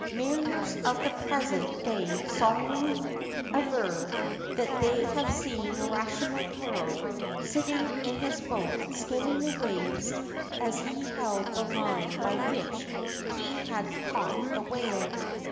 Mariners of the present day solemnly aver that they have seen Urashima Taro sitting in his boat skimming the waves as he held the line by which he had caught the whale.